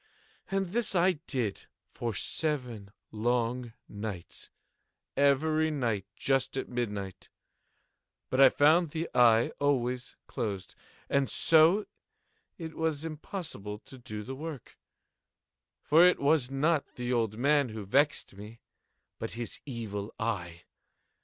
And this I did for seven long nights—every night just at midnight—but I found the eye always closed; and so it was impossible to do the work; for it was not the old man who vexed me, but his Evil Eye.